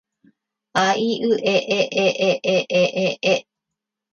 あいうえええええええ